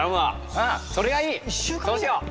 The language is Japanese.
うんそれがいいそうしよう。